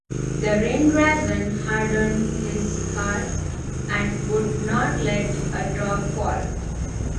The rain-dragon hardened his hart and would not let a drop fall.